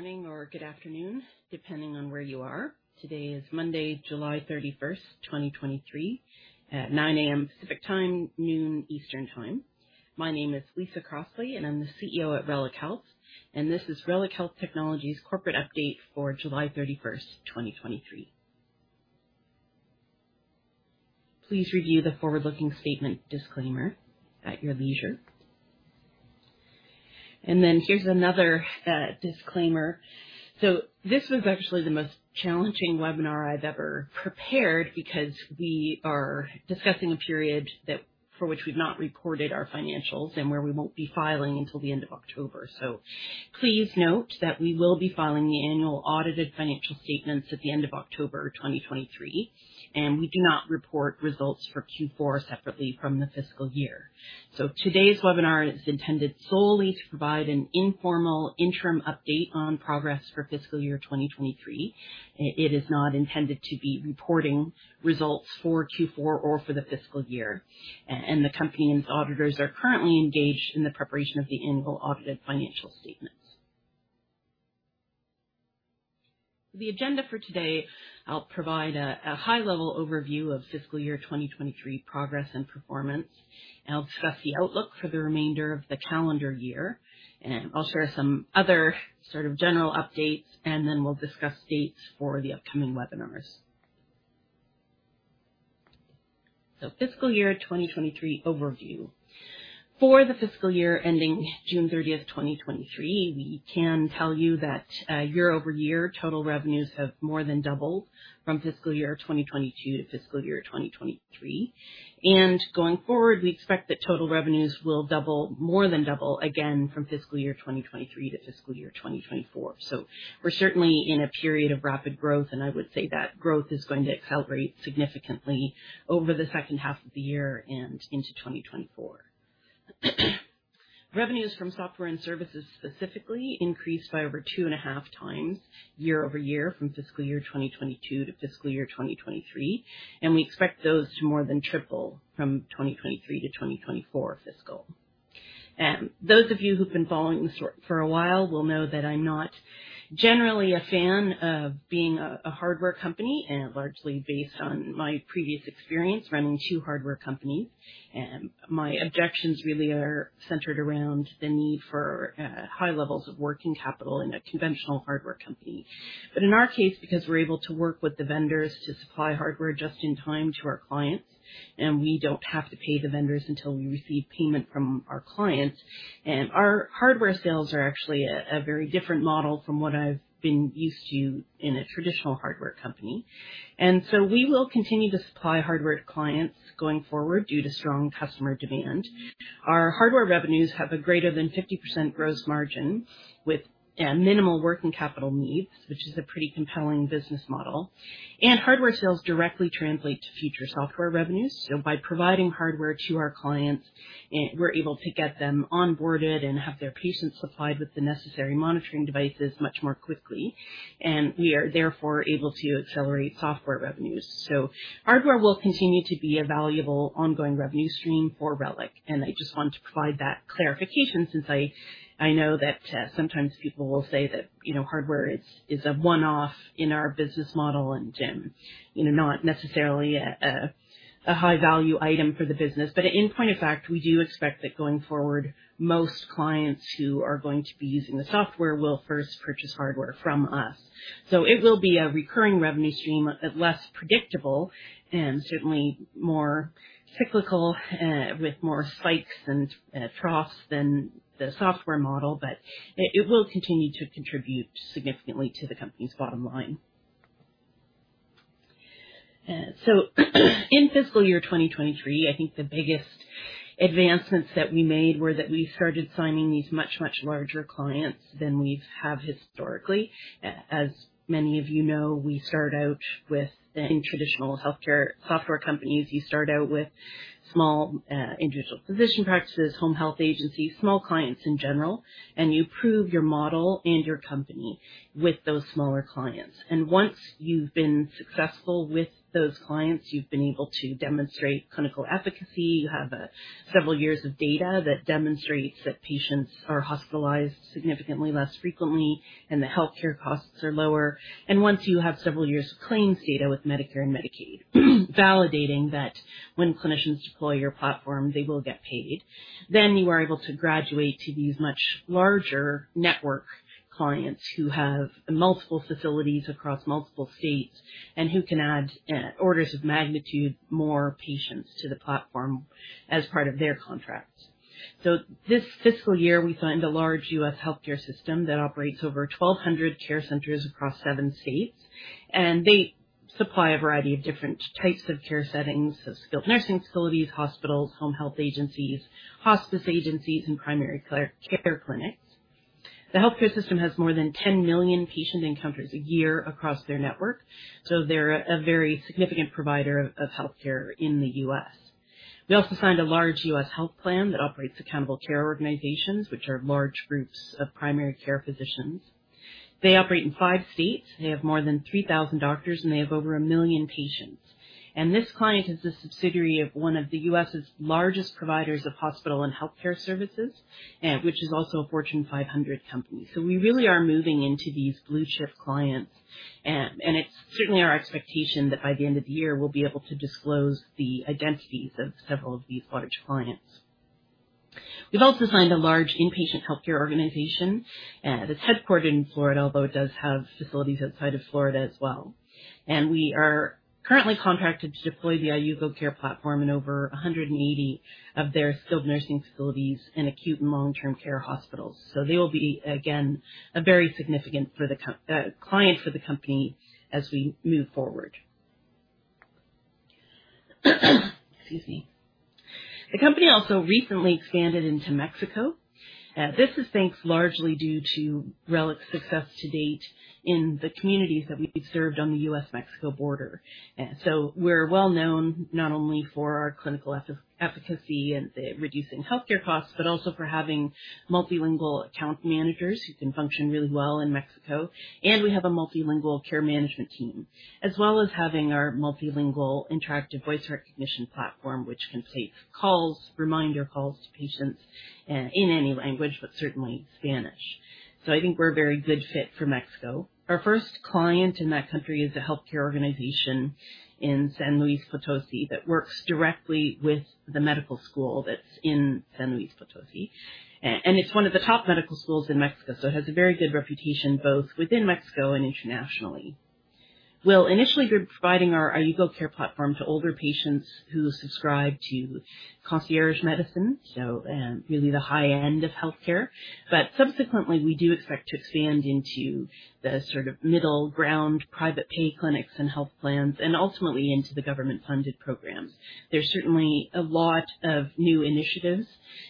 Good morning or good afternoon, depending on where you are. Today is Monday, July 31, 2023, at 9:00 A.M. Pacific Time, 12:00 P.M. Eastern Time. My name is Lisa Crossley, and I'm the CEO at Reliq Health, and this is Reliq Health Technologies corporate update for July 31, 2023. Please review the forward-looking statement disclaimer at your leisure. Here's another disclaimer. This was actually the most challenging webinar I've ever prepared, because we are discussing a period that for which we've not reported our financials and where we won't be filing until the end of October. Please note that we will be filing the annual audited financial statements at the end of October 2023, and we do not report results for Q4 separately from the fiscal year. Today's webinar is intended solely to provide an informal interim update on progress for fiscal year 2023. It is not intended to be reporting results for Q4 or for the fiscal year. The company's auditors are currently engaged in the preparation of the annual audited financial statements. The agenda for today, I'll provide a high-level overview of fiscal year 2023 progress and performance. I'll discuss the outlook for the remainder of the calendar year, and I'll share some other sort of general updates, and then we'll discuss dates for the upcoming webinars. Fiscal year 2023 overview. For the fiscal year ending June 30, 2023, we can tell you that year-over-year total revenues have more than doubled from fiscal year 2022 to fiscal year 2023. Going forward, we expect that total revenues will double, more than double again from fiscal year 2023 to fiscal year 2024. We're certainly in a period of rapid growth, and I would say that growth is going to accelerate significantly over the second half of the year and into 2024. Revenues from software and services specifically increased by over two and a half times year-over-year from fiscal year 2022 to fiscal year 2023, and we expect those to more than triple from 2023 to 2024 fiscal. Those of you who've been following the story for a while will know that I'm not generally a fan of being a, a hardware company, and largely based on my previous experience running two hardware companies. My objections really are centered around the need for high levels of working capital in a conventional hardware company. In our case, because we're able to work with the vendors to supply hardware just in time to our clients, and we don't have to pay the vendors until we receive payment from our clients. Our hardware sales are actually a very different model from what I've been used to in a traditional hardware company. We will continue to supply hardware to clients going forward due to strong customer demand. Our hardware revenues have a greater than 50% gross margin, with minimal working capital needs, which is a pretty compelling business model. Hardware sales directly translate to future software revenues. By providing hardware to our clients, we're able to get them onboarded and have their patients supplied with the necessary monitoring devices much more quickly, and we are therefore able to accelerate software revenues. Hardware will continue to be a valuable ongoing revenue stream for Reliq, and I just wanted to provide that clarification since I, I know that, sometimes people will say that, you know, hardware is, is a one-off in our business model and, you know, not necessarily a, a, a high-value item for the business. In point of fact, we do expect that going forward, most clients who are going to be using the software will first purchase hardware from us. It will be a recurring revenue stream, less predictable and certainly more cyclical, with more spikes and troughs than the software model, but it will continue to contribute significantly to the company's bottom line. In fiscal year 2023, I think the biggest advancements that we made were that we started signing these much, much larger clients than we've have historically. As many of you know, in traditional healthcare software companies, you start out with small, individual physician practices, home health agencies, small clients in general, and you prove your model and your company with those smaller clients. Once you've been successful with those clients, you've been able to demonstrate clinical efficacy. You have several years of data that demonstrates that patients are hospitalized significantly less frequently and the healthcare costs are lower. Once you have several years of claims data with Medicare and Medicaid, validating that when clinicians deploy your platform, they will get paid, then you are able to graduate to these much larger network clients who have multiple facilities across multiple states and who can add orders of magnitude more patients to the platform as part of their contracts. This fiscal year, we signed a large US healthcare system that operates over 1,200 care centers across seven states, and they supply a variety of different types of care settings, so skilled nursing facilities, hospitals, home health agencies, hospice agencies, and primary care clinics. The healthcare system has more than 10 million patient encounters a year across their network, so they're a very significant provider of, of healthcare in the US. We also signed a large US health plan that operates Accountable Care Organizations, which are large groups of primary care physicians. They operate in five states. They have more than 3,000 doctors, and they have over 1 million patients. This client is a subsidiary of one of the US's largest providers of hospital and healthcare services, which is also a Fortune 500 company. We really are moving into these blue-chip clients. It's certainly our expectation that by the end of the year, we'll be able to disclose the identities of several of these large clients. We've also signed a large inpatient healthcare organization that's headquartered in Florida, although it does have facilities outside of Florida as well. We are currently contracted to deploy the iUGO Care platform in over 180 of their skilled nursing facilities in acute and long-term care hospitals. They will be, again, a very significant for the co- client for the company as we move forward. Excuse me. The company also recently expanded into Mexico, this is thanks largely due to Reliq's success to date in the communities that we've served on the US-Mexico border. We're well known not only for our clinical effe- efficacy and the reducing healthcare costs, but also for having multilingual account managers who can function really well in Mexico. We have a multilingual care management team, as well as having our multilingual interactive voice recognition platform, which can take calls, reminder calls to patients, in any language, but certainly Spanish. I think we're a very good fit for Mexico. Our first client in that country is a healthcare organization in San Luis Potosi that works directly with the medical school that's in San Luis Potosi. It's one of the top medical schools in Mexico, so it has a very good reputation both within Mexico and internationally. We'll initially be providing our iUGO Care platform to older patients who subscribe to concierge medicine, so, really the high end of healthcare. Subsequently, we do expect to expand into the sort of middle ground, private pay clinics and health plans and ultimately into the government-funded programs. There's certainly a lot of new initiatives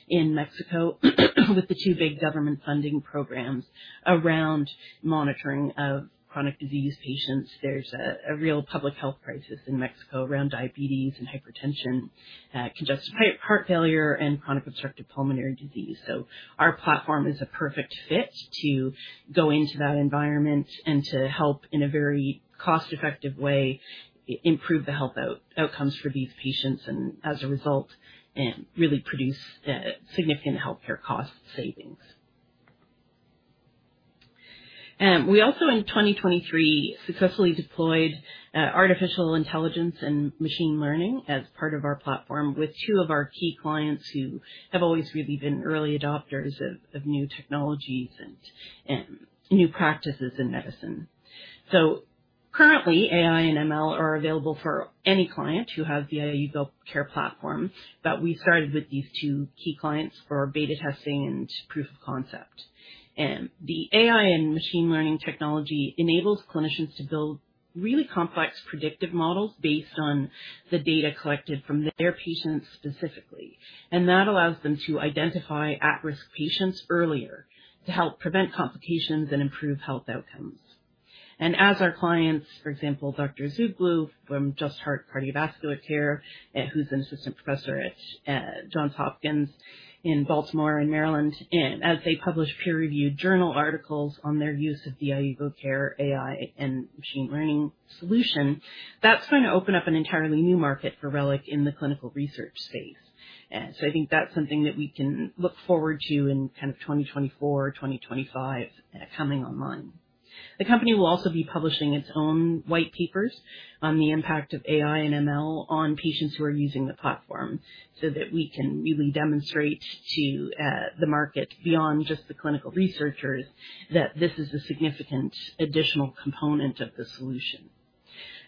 in Mexico, with the 2 big government funding programs around monitoring of chronic disease patients. There's a real public health crisis in Mexico around diabetes and hypertension, congestive heart, heart failure and Chronic Obstructive Pulmonary Disease. Our platform is a perfect fit to go into that environment and to help in a very cost-effective way, improve the health outcomes for these patients and as a result, really produce significant healthcare cost savings. We also, in 2023, successfully deployed Artificial Intelligence and Machine Learning as part of our platform with two of our key clients who have always really been early adopters of new technologies and new practices in medicine. Currently, AI and ML are available for any client who has the iUGO Care platform, but we started with these two key clients for beta testing and proof of concept. The AI and machine learning technology enables clinicians to build really complex predictive models based on the data collected from their patients specifically, and that allows them to identify at-risk patients earlier to help prevent complications and improve health outcomes. As our clients, for example, Dr. Zuglo from Just Heart Cardiovascular Care, who's an assistant professor at Johns Hopkins in Baltimore, in Maryland, and as they publish peer-reviewed journal articles on their use of the iUGO Care AI and machine learning solution, that's going to open up an entirely new market for Reliq in the clinical research space. So I think that's something that we can look forward to in kind of 2024, 2025, coming online. The company will also be publishing its own white papers on the impact of AI and ML on patients who are using the platform, so that we can really demonstrate to the market, beyond just the clinical researchers, that this is a significant additional component of the solution.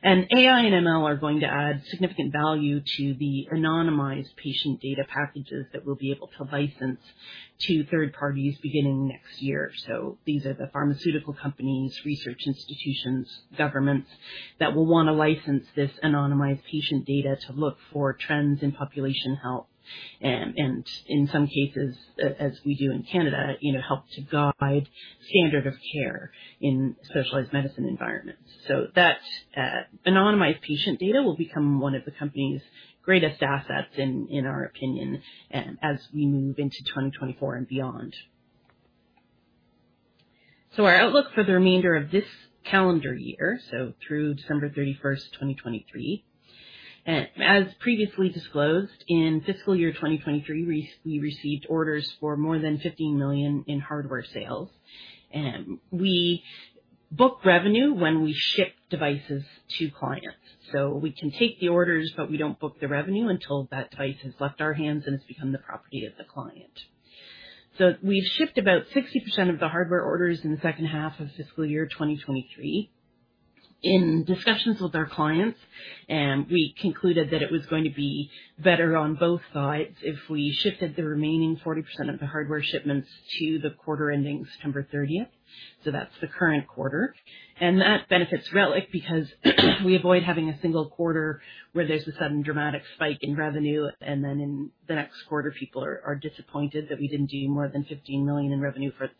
AI and ML are going to add significant value to the anonymized patient data packages that we'll be able to license to third parties beginning next year. These are the pharmaceutical companies, research institutions, governments, that will want to license this anonymized patient data to look for trends in population health and, and in some cases, as we do in Canada, you know, help to guide standard of care in specialized medicine environments. That anonymized patient data will become one of the company's greatest assets in, in our opinion, as we move into 2024 and beyond. Our outlook for the remainder of this calendar year, through December 31, 2023, and as previously disclosed in fiscal year 2023, we, we received orders for more than $15 million in hardware sales. We book revenue when we ship devices to clients. We can take the orders, but we don't book the revenue until that device has left our hands and has become the property of the client. We've shipped about 60% of the hardware orders in the second half of fiscal year 2023. In discussions with our clients, we concluded that it was going to be better on both sides if we shifted the remaining 40% of the hardware shipments to the quarter ending September 30th. That's the current quarter. That benefits Reliq because we avoid having a single quarter where there's a sudden dramatic spike in revenue, and then in the next quarter, people are, are disappointed that we didn't do more than $15 million in revenue for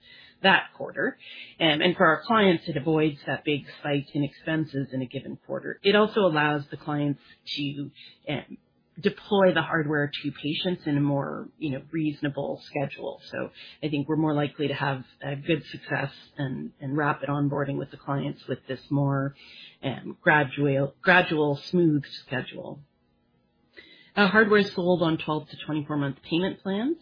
that quarter. For our clients, it avoids that big spike in expenses in a given quarter. It also allows the clients to deploy the hardware to patients in a more, you know, reasonable schedule. I think we're more likely to have a good success and, and rapid onboarding with the clients with this more gradual, gradual, smooth schedule. Hardware is sold on 12-24 month payment plans,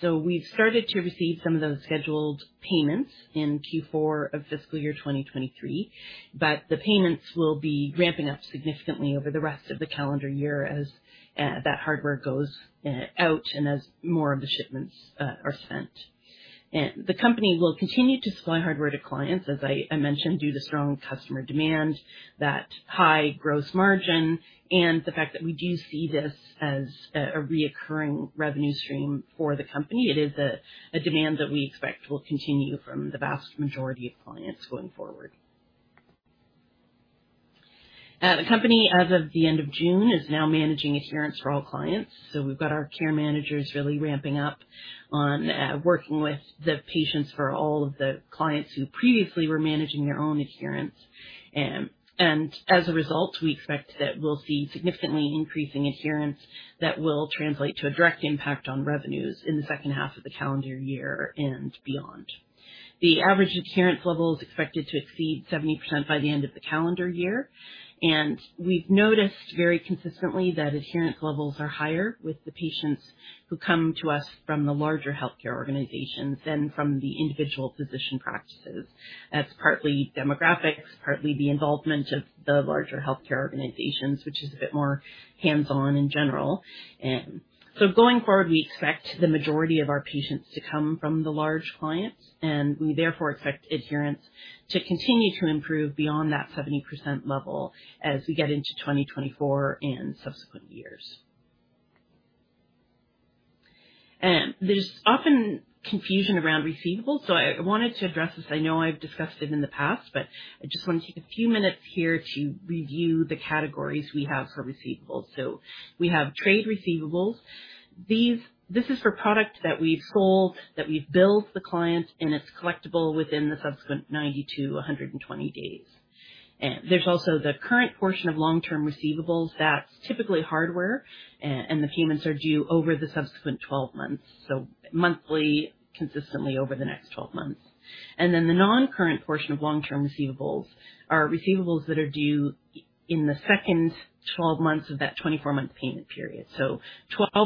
so we started to receive some of those scheduled payments in Q4 of fiscal year 2023. But the payments will be ramping up significantly over the rest of the calendar year as that hardware goes out and as more of the shipments are spent. And the company will continue to supply hardware to clients, as I, I mentioned, due to strong customer demand, that high gross margin and the fact that we do see this as a reoccurring revenue stream for the company. It is a demand that we expect will continue from the vast majority of clients going forward. The company, as of the end of June, is now managing adherence for all clients. We've got our care managers really ramping up on working with the patients for all of the clients who previously were managing their own adherence. As a result, we expect that we'll see significantly increasing adherence that will translate to a direct impact on revenues in the second half of the calendar year and beyond. The average adherence level is expected to exceed 70% by the end of the calendar year. We've noticed very consistently that adherence levels are higher with the patients who come to us from the larger healthcare organizations than from the individual physician practices. That's partly demographics, partly the involvement of the larger healthcare organizations, which is a bit more hands-on in general. Going forward, we expect the majority of our patients to come from the large clients, and we therefore expect adherence to continue to improve beyond that 70% level as we get into 2024 and subsequent years. There's often confusion around receivables, so I, I wanted to address this. I know I've discussed it in the past, but I just want to take a few minutes here to review the categories we have for receivables. We have trade receivables. This is for product that we've sold, that we've billed the client, and it's collectible within the subsequent 92-120 days. There's also the current portion of long-term receivables. That's typically hardware, and the payments are due over the subsequent 12 months, so monthly, consistently over the next 12 months. The non-current portion of long-term receivables are receivables that are due in the second 12 months of that 24-month payment period. 12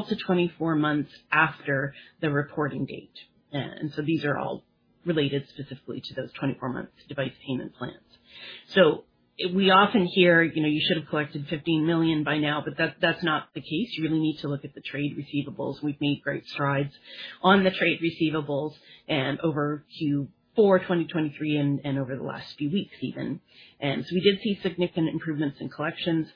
to 24 months after the reporting date. These are all related specifically to those 24-month device payment plans. We often hear, you know, "You should have collected $15 million by now," but that's, that's not the case. You really need to look at the trade receivables. We've made great strides on the trade receivables over Q4 2023 and over the last few weeks even. We did see significant improvements in collections.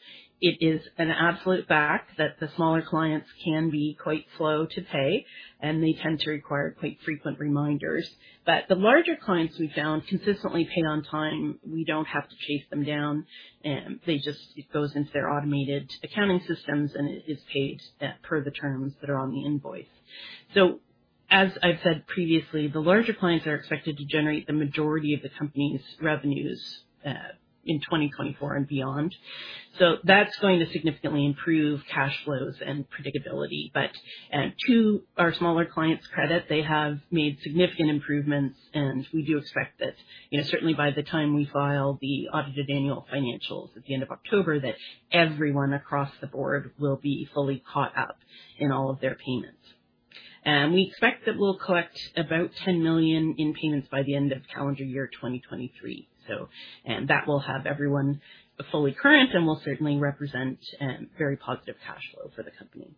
It is an absolute fact that the smaller clients can be quite slow to pay, and they tend to require quite frequent reminders. The larger clients we found consistently pay on time. We don't have to chase them down, they just, it goes into their automated accounting systems, and it is paid, per the terms that are on the invoice. As I've said previously, the larger clients are expected to generate the majority of the company's revenues, in 2024 and beyond. To our smaller clients' credit, they have made significant improvements, and we do expect that, you know, certainly by the time we file the audited annual financials at the end of October, that everyone across the board will be fully caught up in all of their payments. We expect that we'll collect about $10 million in payments by the end of calendar year 2023. And that will have everyone fully current and will certainly represent very positive cash flow for the company.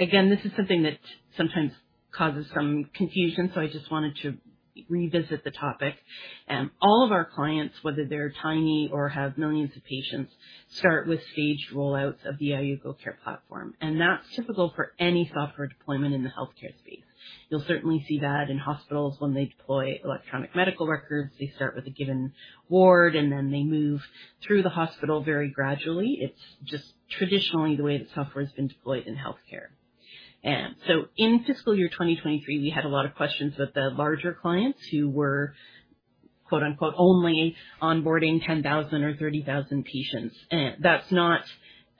Again, this is something that sometimes causes some confusion, so I just wanted to revisit the topic. All of our clients, whether they're tiny or have millions of patients, start with staged rollouts of the iUGO Care platform, and that's typical for any software deployment in the healthcare space. You'll certainly see that in hospitals when they deploy electronic medical records. They start with a given ward, and then they move through the hospital very gradually. It's just traditionally the way that software has been deployed in healthcare. In fiscal year 2023, we had a lot of questions with the larger clients who were, quote, unquote, "only onboarding 10,000 or 30,000 patients." That's not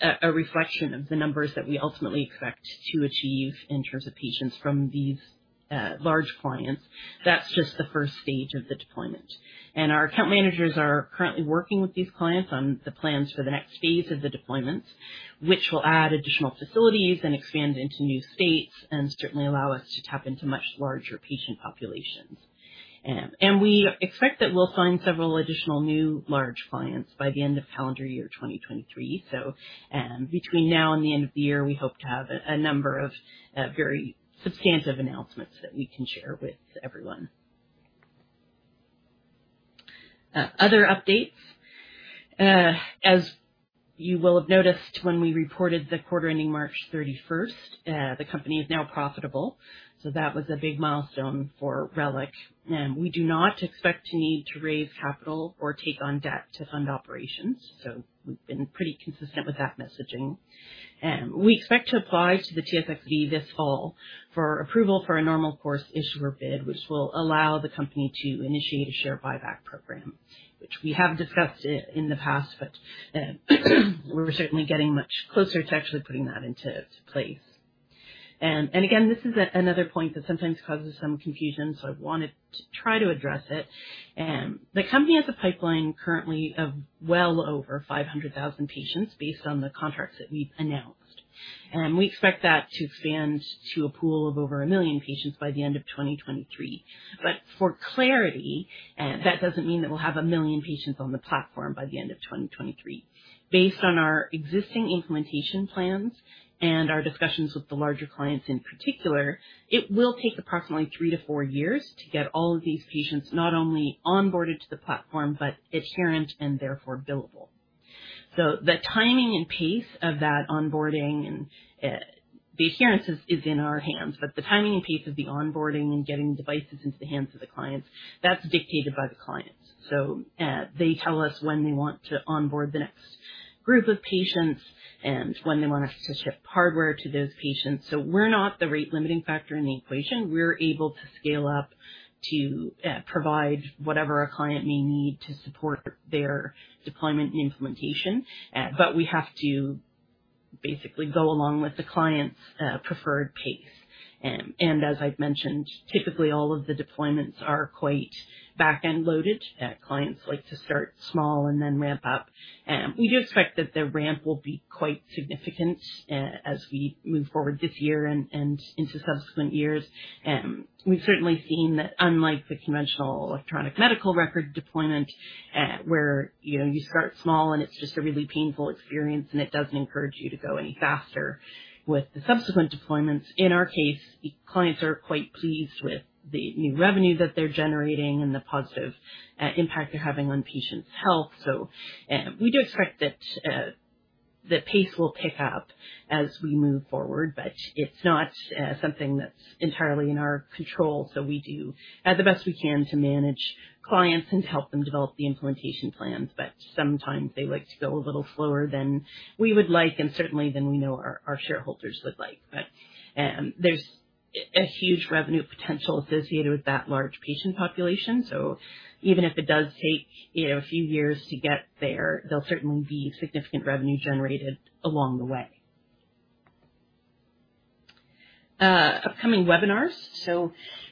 a, a reflection of the numbers that we ultimately expect to achieve in terms of patients from these large clients. That's just the first stage of the deployment. Our account managers are currently working with these clients on the plans for the next phase of the deployments, which will add additional facilities and expand into new states and certainly allow us to tap into much larger patient populations. We expect that we'll sign several additional new large clients by the end of calendar year 2023. Between now and the end of the year, we hope to have a, a number of very substantive announcements that we can share with everyone. Other updates. As you will have noticed, when we reported the quarter ending March 31st, the company is now profitable, so that was a big milestone for Reliq. We do not expect to need to raise capital or take on debt to fund operations, so we've been pretty consistent with that messaging. We expect to apply to the TSXV this fall for approval for a Normal Course Issuer Bid, which will allow the company to initiate a share buyback program, which we have discussed it in the past, but we're certainly getting much closer to actually putting that into place. Again, this is another point that sometimes causes some confusion, so I wanted to try to address it. The company has a pipeline currently of well over 500,000 patients based on the contracts that we've announced. We expect that to expand to a pool of over 1 million patients by the end of 2023. For clarity, that doesn't mean that we'll have 1 million patients on the platform by the end of 2023. Based on our existing implementation plans and our discussions with the larger clients in particular, it will take approximately three to four years to get all of these patients not only onboarded to the platform, but adherent and therefore billable. The timing and pace of that onboarding and the adherence is, is in our hands, but the timing and pace of the onboarding and getting devices into the hands of the clients, that's dictated by the clients. They tell us when they want to onboard the next group of patients and when they want us to ship hardware to those patients. We're not the rate limiting factor in the equation. We're able to scale up to provide whatever a client may need to support their deployment and implementation. But we have to basically go along with the client's preferred pace. And as I've mentioned, typically all of the deployments are quite back-end loaded. Clients like to start small and then ramp up. We do expect that the ramp will be quite significant as we move forward this year and into subsequent years. We've certainly seen that unlike the conventional electronic medical record deployment, where, you know, you start small and it's just a really painful experience, and it doesn't encourage you to go any faster with the subsequent deployments. In our case, the clients are quite pleased with the new revenue that they're generating and the positive impact they're having on patients' health. We do expect that the pace will pick up as we move forward, but it's not something that's entirely in our control. We do the best we can to manage clients and help them develop the implementation plans, but sometimes they like to go a little slower than we would like and certainly than we know our, our shareholders would like. There's a huge revenue potential associated with that large patient population. Even if it does take, you know, a few years to get there, there'll certainly be significant revenue generated along the way. Upcoming webinars.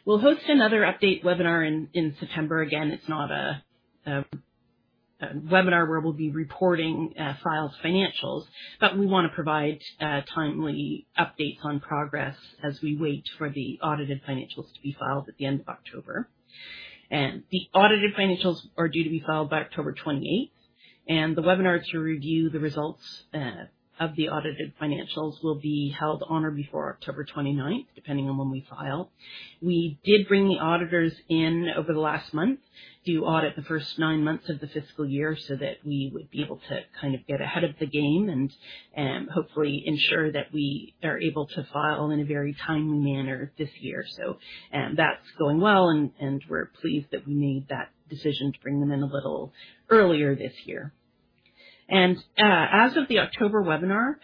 We'll host another update webinar in September. Again, it's not a, a, a webinar where we'll be reporting, filed financials, but we want to provide timely updates on progress as we wait for the audited financials to be filed at the end of October. The audited financials are due to be filed by October 28th, and the webinar to review the results of the audited financials will be held on or before October 29th, depending on when we file. We did bring the auditors in over the last month to audit the first nine months of the fiscal year, so that we would be able to kind of get ahead of the game and hopefully ensure that we are able to file in a very timely manner this year. That's going well, and, and we're pleased that we made that decision to bring them in a little earlier this year. As of the October webinar,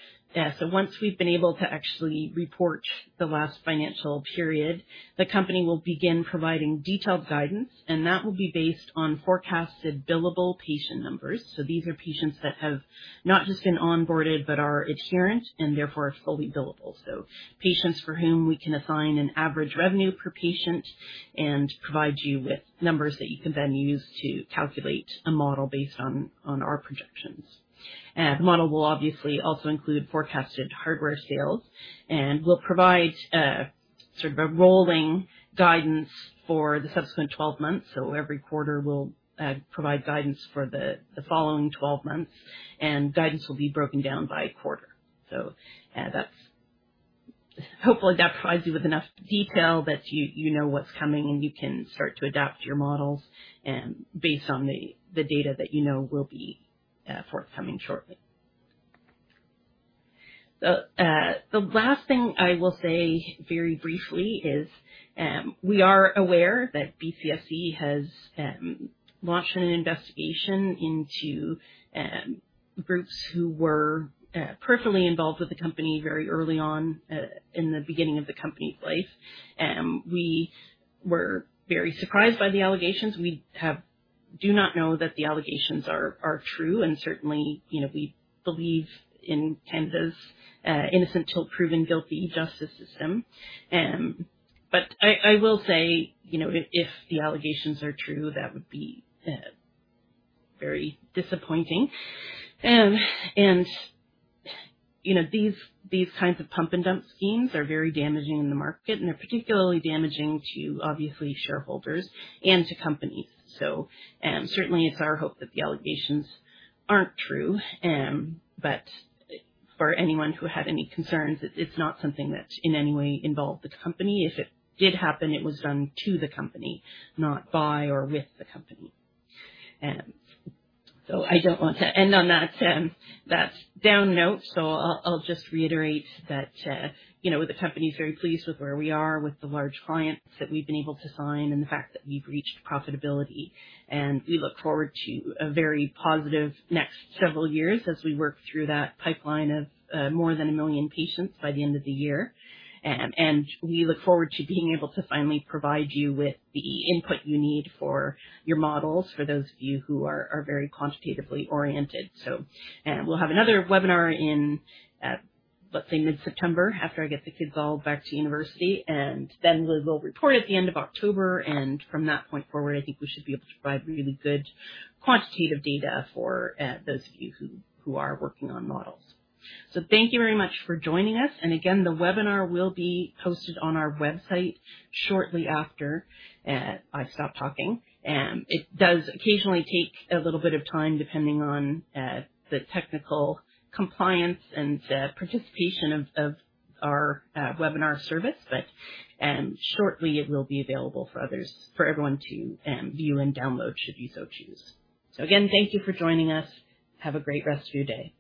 once we've been able to actually report the last financial period, the company will begin providing detailed guidance, and that will be based on forecasted billable patient numbers. These are patients that have not just been onboarded, but are adherent and therefore are fully billable. Patients for whom we can assign an average revenue per patient and provide you with numbers that you can then use to calculate a model based on, on our projections. The model will obviously also include forecasted hardware sales, and we'll provide sort of a rolling guidance for the subsequent 12 months. Every quarter we'll provide guidance for the following 12 months, and guidance will be broken down by quarter. That's. Hopefully, that provides you with enough detail that you, you know what's coming, and you can start to adapt your models, based on the data that you know will be forthcoming shortly. The last thing I will say very briefly is, we are aware that BCSC has launched an investigation into groups who were personally involved with the company very early on, in the beginning of the company's life. We were very surprised by the allegations. We do not know that the allegations are, are true, and certainly, you know, we believe in Canada's innocent till proven guilty justice system. I, I will say, you know, if, if the allegations are true, that would be very disappointing. You know, these, these types of pump and dump schemes are very damaging in the market, and they're particularly damaging to obviously shareholders and to companies. Certainly it's our hope that the allegations aren't true. For anyone who had any concerns, it's not something that in any way involved the company. If it did happen, it was done to the company, not by or with the company. I don't want to end on that, that down note, so I'll, I'll just reiterate that, you know, the company is very pleased with where we are with the large clients that we've been able to sign and the fact that we've reached profitability. We look forward to a very positive next several years as we work through that pipeline of more than 1 million patients by the end of the year. We look forward to being able to finally provide you with the input you need for your models, for those of you who are very quantitatively oriented. We'll have another webinar in, let's say mid-September, after I get the kids all back to university, and then we'll report at the end of October. From that point forward, I think we should be able to provide really good quantitative data for those of you who are working on models. Thank you very much for joining us. Again, the webinar will be posted on our website shortly after I stop talking. It does occasionally take a little bit of time, depending on, the technical compliance and, participation of, of our, webinar service. Shortly it will be available for everyone to view and download should you so choose. Again, thank you for joining us. Have a great rest of your day.